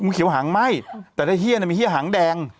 งูเขียวหางไม่แต่ถ้าเหี้ยมันมีเหี้ยหางแดง